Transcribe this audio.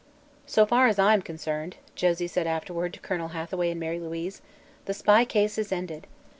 "So far as I am concerned," Josie said afterward to Colonel Hathaway and Mary Louise, "the spy case is ended.